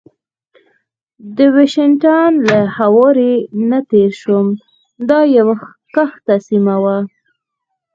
د وینیشن له هوارې نه تېر شوم، دا یوه کښته سیمه وه.